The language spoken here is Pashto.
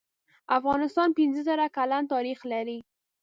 افغانستان پنځه زره کلن تاریخ لری